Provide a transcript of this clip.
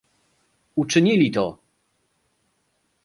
Uczynili to!